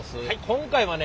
今回はね